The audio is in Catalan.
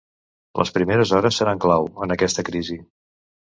Les primeres hores seran clau, en aquesta crisi.